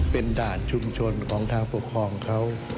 เป็นด่านชุมชนของทางปกครองเขา